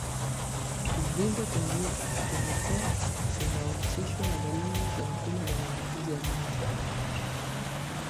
Uvimbe kwenye koo unaohusishwa na dalili za mapema za maambukizi ya damu